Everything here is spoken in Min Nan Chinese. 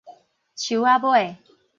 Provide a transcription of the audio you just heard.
樹仔尾